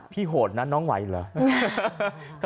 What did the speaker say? พี่โหดนะน้องไว้เหรอ